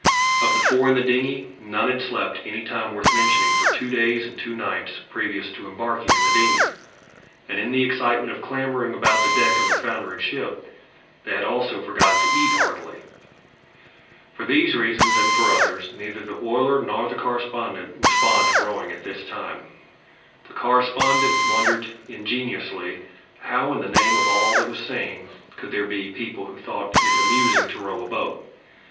Of the four in the dingey none had slept any time worth mentioning for two days and two nights previous to embarking in the dingey, and in the excitement of clambering about the deck of a foundering ship they had also forgotten to eat heartily. For these reasons, and for others, neither the oiler nor the correspondent was fond of rowing at this time. The correspondent wondered ingenuously how in the name of all that was sane could there be people who thought it amusing to row a boat.